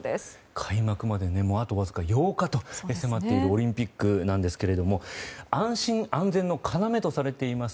開幕まであとわずか８日と迫っているオリンピックなんですけれども安心・安全の要とされています